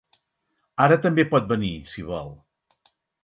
Ara també pot venir, si vol.